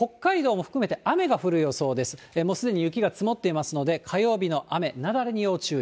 もうすでに雪が積もっていますので、火曜日の雨、雪崩に要注意。